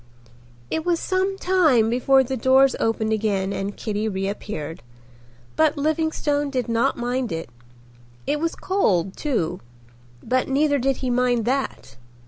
It was some time before the doors opened again and Kitty reappeared, but Livingstone did not mind it. It was cold too, but neither did he mind that.